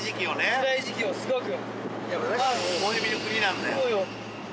つらい時期をすごく。